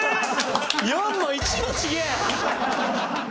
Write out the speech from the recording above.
４も１も違え！